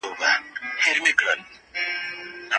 پخواني قاضیان د ډیرو بهرنیو سفارتونو خدمتونه نه لري.